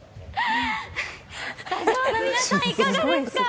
スタジオの皆さん、いかがですか？